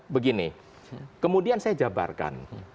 begini kemudian saya jabarkan